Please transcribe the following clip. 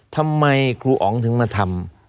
ทำไมครูอ๋องถึงมาทำ